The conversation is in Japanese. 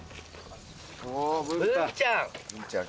文ちゃん！